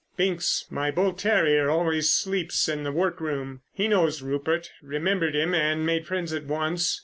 Binks, my bull terrier, always sleeps in the workroom. He knows Rupert, remembered him and made friends at once.